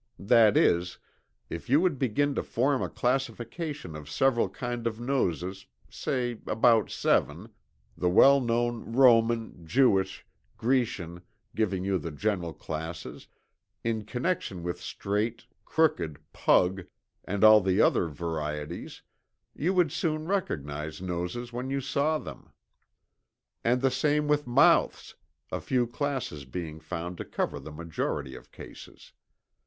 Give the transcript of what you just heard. That is, if you would begin to form a classification of several kind of noses, say about seven, the well known Roman, Jewish, Grecian, giving you the general classes, in connection with straight, crooked, pug and all the other varieties, you would soon recognize noses when you saw them. And the same with mouths, a few classes being found to cover the majority of cases.